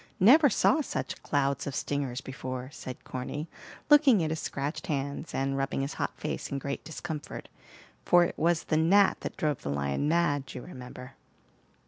Never saw such clouds of stingers before," said Corny, looking at his scratched hands, and rubbing his hot face in great discomfort, for it was the gnat that drove the lion mad, you remember.